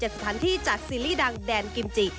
สถานที่จากซีรีส์ดังแดนกิมจิ